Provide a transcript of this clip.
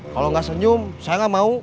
kalau gak senyum saya gak mau